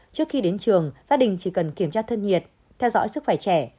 trước khi đến trường gia đình chỉ cần kiểm tra thân nhiệt theo dõi sức khỏe trẻ